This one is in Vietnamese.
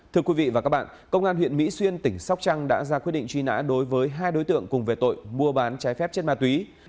thưa quý vị và các bạn công an huyện mỹ xuyên tỉnh sóc trăng đã ra quyết định truy nã đối với hai đối tượng cùng về tội mua bán trái phép chất ma túy